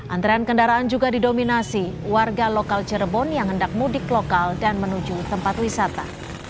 antrean kendaraan juga didominasi warga lokal cirebon yang hendak mudik lokal dan menuju tempat wisata